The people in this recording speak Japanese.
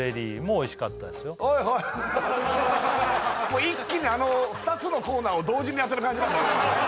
もう一気にあの２つのコーナーを同時にやってる感じなんだね